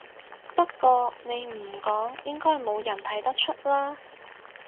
不過你唔講應該冇人睇得出啦